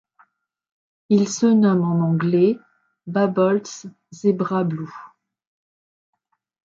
Il se nomme en anglais Babault's Zebra Blue.